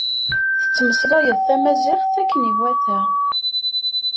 Tettmeslayeḍ tamaziɣt akken iwata.